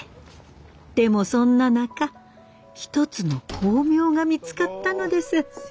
でもそんな中一つの光明が見つかったのです。